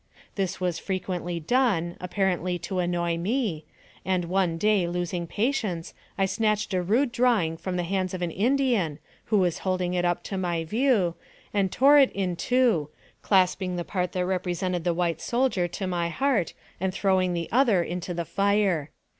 This was frequently done, apparently to annoy me, and one day, losing patience, I snatched a rude draw ing from the hands of an Indian, who was holding it up to my view, and tore it in two, clasping the part that represented the white soldier to my heart, and throwing the other in the fire.